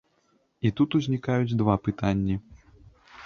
І тут узнікаюць два пытанні.